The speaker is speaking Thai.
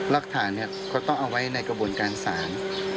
หลักฐานก็ต้องเอาไว้ในกระบวนการศาล